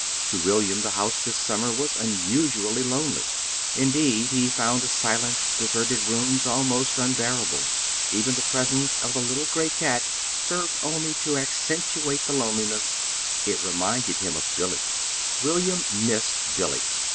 To William the house this summer was unusually lonely; indeed, he found the silent, deserted rooms almost unbearable. Even the presence of the little gray cat served only to accentuate the loneliness it reminded him of Billy. William missed Billy.